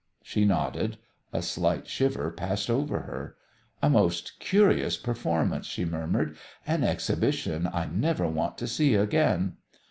She nodded; a slight shiver passed over her. "A most curious performance," she murmured; "an exhibition I never want to see again."